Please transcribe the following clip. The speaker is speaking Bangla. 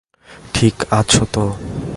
ঠিক আছো তো?